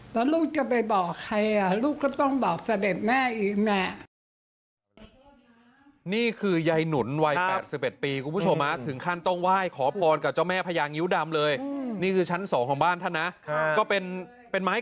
แล้วลูกจะไปบอกใครลูกก็ต้องบอกเสด็จแม่อีกแม่